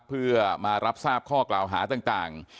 เพื่อมารับทราบข้อกล่าวหาต่าง